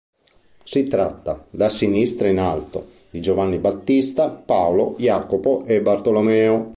Si tratta, da sinistra in alto, di Giovanni Battista, Paolo, Jacopo e Bartolomeo.